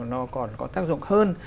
nó còn có tác dụng hơn